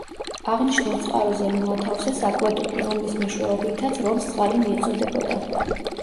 აღნიშნულ წყაროზე მოათავსეს აკვედუკი, რომლის მეშვეობითაც რომს წყალი მიეწოდებოდა.